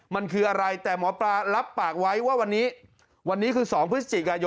มันคืออะไรแต่หมอปลารับปากไว้ว่าวันนี้วันนี้คือ๒พฤศจิกายน